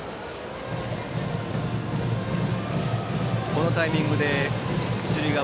このタイミングで一塁側